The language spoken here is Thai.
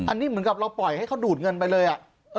อันนี้เหมือนกับเราปล่อยให้เขาดูดเงินไปเลย